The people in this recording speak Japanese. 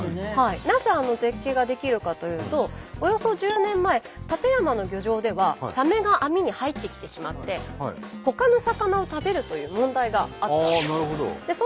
なぜあの絶景が出来るかというとおよそ１０年前館山の漁場ではサメが網に入ってきてしまってほかの魚を食べるという問題があったんです。